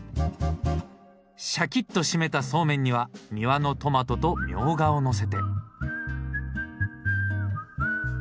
しゃきっと締めたそうめんには庭のトマトとミョウガをのせて。